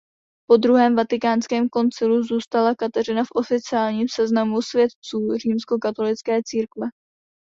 Po Druhém vatikánském koncilu zůstala Kateřina v oficiálním seznamu světců římskokatolické církve.